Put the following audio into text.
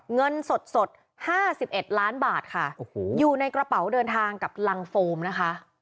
เงินสด๕๑ล้านบาทค่ะโอ้โหอยู่ในกระเป๋าเดินทางกับรังโฟมนะคะ